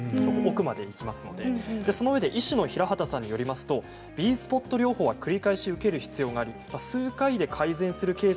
奥までいきますので医師の平畑さんによりますとＢスポット療法は繰り返し行う必要があります。